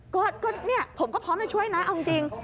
ก็เนี่ยผมก็พร้อมจะช่วยนะเอาจริง